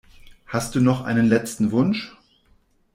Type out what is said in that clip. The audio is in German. Hast du noch einen letzten Wunsch?